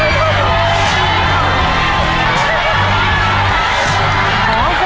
นี่๒คนอยู่แล้ว